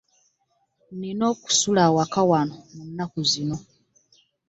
Nnina okusula awaka wano mu nnaku zino.